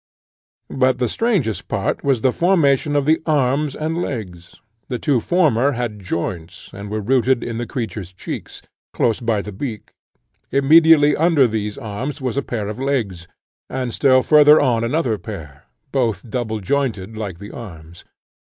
But the strangest part was the formation of the arms and legs; the two former had joints, and were rooted in the creature's cheeks, close by the beak; immediately under these arms was a pair of legs, and still farther on another pair, both double jointed like the arms.